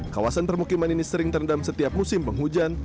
kawasan permukiman ini sering terendam setiap musim penghujan